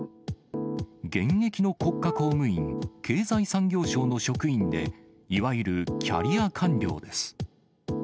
現役の国家公務員、経済産業省の職員で、いわゆるキャリア官僚です。